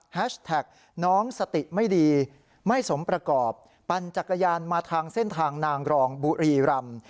แท็กน้องสติไม่ดีไม่สมประกอบปั่นจักรยานมาทางเส้นทางนางรองบุรีรำ